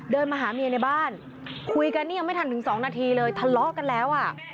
มาหาเมียในบ้านคุยกันนี่ยังไม่ทันถึงสองนาทีเลยทะเลาะกันแล้วอ่ะ